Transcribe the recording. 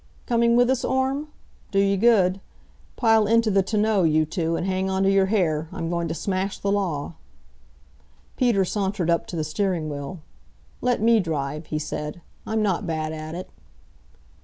"Coming with us, Orme? Do you good. Pile into the tonneau, you two, and hang on to your hair. I'm going to smash the law." Peter sauntered up to the steering wheel. "Let me drive," he said. "I'm not bad at it."